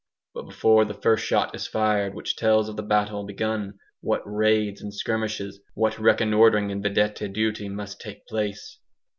But before the first shot is fired which tells of the battle begun, what raids and skirmishes, what reconnoitring and vedette duty must take place!